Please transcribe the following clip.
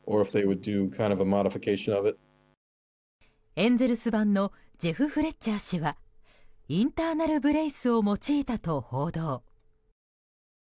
エンゼルス番のジェフ・フレッチャー氏はインターナル・ブレイスを用いたと報道。